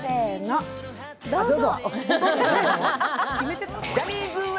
どうぞ。